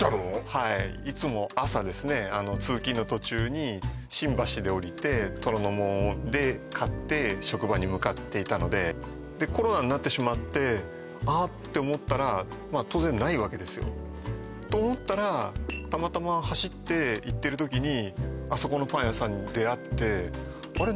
はいいつも朝ですね通勤の途中に新橋で降りて虎ノ門で買って職場に向かっていたのででコロナになってしまってあっって思ったらまあ当然ないわけですよと思ったらたまたま走っていってる時にあそこのパン屋さんに出会ってあれ？